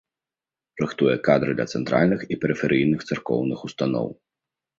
Рыхтуе кадры для цэнтральных і перыферыйных царкоўных устаноў.